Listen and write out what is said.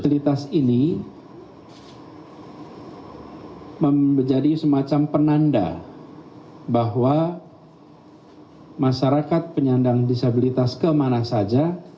fasilitas ini menjadi semacam penanda bahwa masyarakat penyandang disabilitas kemana saja